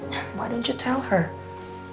kenapa kamu tidak beritahu dia